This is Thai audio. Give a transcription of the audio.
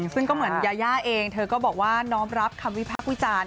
ซึ่งก็เหมือนยายาเองเธอก็บอกว่าน้อมรับคำวิพากษ์วิจารณ์